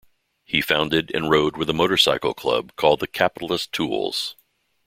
He founded and rode with a motorcycle club called the Capitalist Tools.